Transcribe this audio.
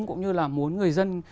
cũng như là muốn người dân